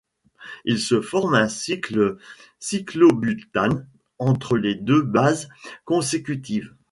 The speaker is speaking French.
Il se forme un cycle cyclobutane entre les deux bases consécutives.